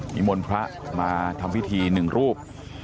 มีมนต์พระมาทำพิธีหนึ่งรูป